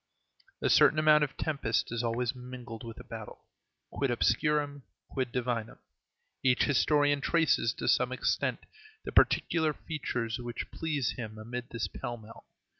A certain amount of tempest is always mingled with a battle. Quid obscurum, quid divinum. Each historian traces, to some extent, the particular feature which pleases him amid this pell mell.